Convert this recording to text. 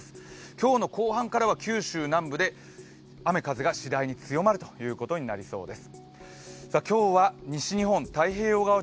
今日の後半からは九州南部で雨・風が次第に強まるということになりそうです。